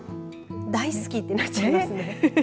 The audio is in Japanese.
大好きってなっちゃいますね。